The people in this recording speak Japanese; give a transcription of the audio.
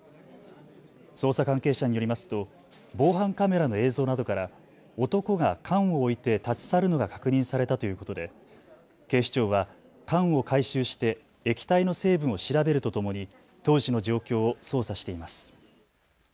捜査関係者によりますと防犯カメラの映像などから男が缶を置いて立ち去るのが確認されたということで警視庁は缶を回収して液体の成分を調べるとともに当時の状況を捜査しています。